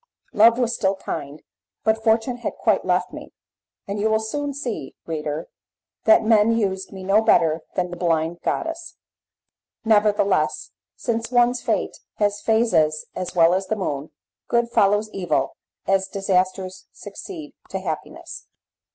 Love was still kind, but Fortune had quite left me, and you will soon see, reader, that men used me no better than the blind goddess. Nevertheless, since one's fate has phases as well as the moon, good follows evil as disasters succeed to happiness.